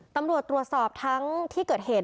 ตำรวจตรวจสอบทั้งที่เกิดเหตุ